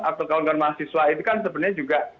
atau kawan kawan mahasiswa itu kan sebenarnya juga